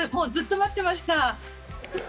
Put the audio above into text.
ずっと待ってました。